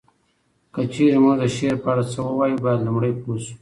که چیري مونږ د شعر په اړه څه ووایو باید لومړی پوه شو